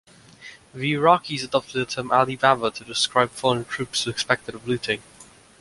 The Iraqis adopted the term "Ali Baba" to describe foreign troops suspected of looting.